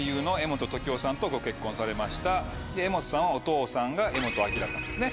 柄本さんはお父さんが柄本明さんですね。